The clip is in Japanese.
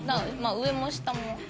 上も下も。